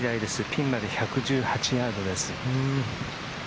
ピンまで１１８ヤードです。